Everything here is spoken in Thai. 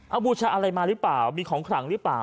เอาบูชาอะไรมาหรือเปล่ามีของขลังหรือเปล่า